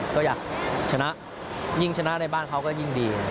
ก็อยากชนะยิ่งชนะในบ้านเขาก็ยิ่งดี